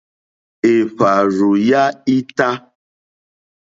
Èhvàrzù ya ita.